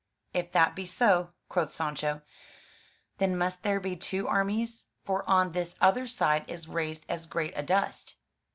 ''" If that be so," quoth Sancho, " then must there be two armies; for on this other side is raised as great a dust."